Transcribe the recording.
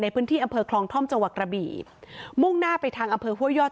พื้นที่อำเภอคลองท่อมจังหวัดกระบี่มุ่งหน้าไปทางอำเภอห้วยยอด